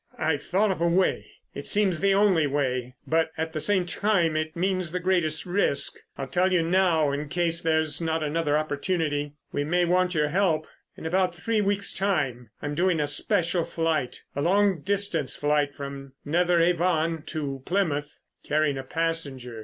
"I've thought of a way. It seems the only way, but, at the same time, it means the greatest risk. I'll tell you now in case there's not another opportunity. We may want your help. In about three weeks' time I'm doing a special flight—a long distance flight from Netheravon to Plymouth, carrying a passenger.